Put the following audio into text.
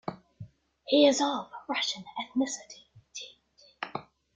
He is of Russian ethnicity.